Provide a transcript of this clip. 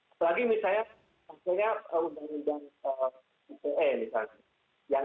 apalagi misalnya pasalnya undang undang ipn yang itu sering dikrisip oleh para agung agung sebagai pasal